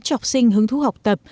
chọc sinh hứng thú học tập